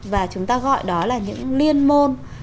và chúng ta gọi đó là những liên môn